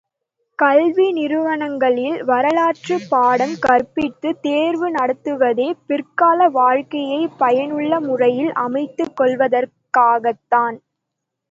கல்வி நிறுவனங்களில் வரலாற்றுப் பாடம் கற்பித்துத் தேர்வு நடத்துவதே, பிற்கால வாழ்க்கையைப் பயனுள்ள முறையில் அமைத்துக் கொள்வதற்காகத்தான்.